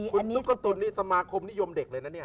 คุณตุ๊กตุ๋นนี่สมาคมนิยมเด็กเลยนะเนี่ย